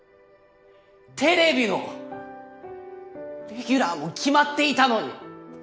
テレビのレギュラーも決まっていたのに。